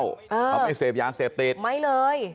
เขาไม่เสพยาเสพติดไม่เลย